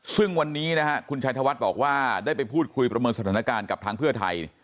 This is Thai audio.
ซึ่งวันนี้นะฮะคุณชัยธวัฒน์บอกว่าได้ไปพูดคุยประเมินสถานการณ์กับทางเพื่อไทย